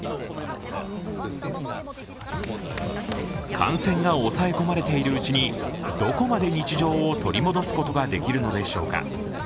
感染が抑え込まれているうちにどこまで日常を取り戻すことができるのでしょうか。